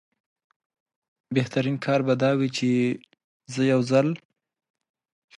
بهترین کار به دا وي چې زه یو ځل.